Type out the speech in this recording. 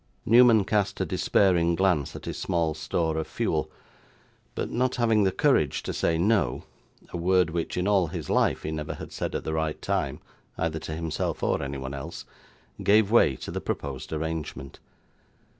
Newman cast a despairing glance at his small store of fuel, but, not having the courage to say no a word which in all his life he never had said at the right time, either to himself or anyone else gave way to the proposed arrangement.